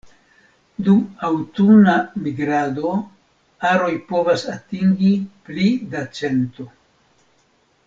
Dum aŭtuna migrado aroj povas atingi pli da cento.